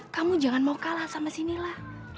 kamu jangan mau kalah sama si nila